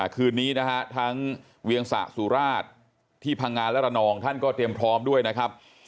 คืนนี้นะฮะทั้งเวียงสะสุราชที่พังงานและระนองท่านก็เตรียมพร้อมด้วยนะครับ